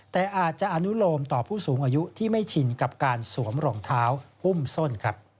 แต่อาจจะอนุโลมต่อผู้สูงอายุที่ไม่ชินกับการสวมรองเท้าหุ้มส้น